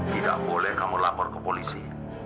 tidak boleh kamu lapor ke polisi